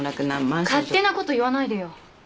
勝手なこと言わないでよ。